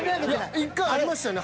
１回ありましたよね。